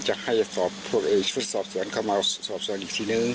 ชุดสอบส่วนเข้ามาสอบส่วนอีกทีหนึ่ง